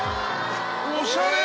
おしゃれ！